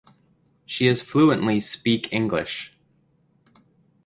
She is fluently speak English.